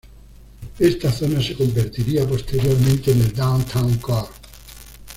Esta zona se convertiría posteriormente en el Downtown Core.